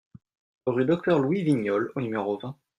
Rue Docteur Louis Vignolles au numéro vingt